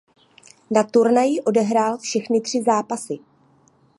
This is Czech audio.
Na turnaji odehrál všechny tři zápasy.